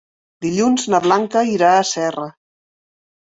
Dilluns na Blanca irà a Serra.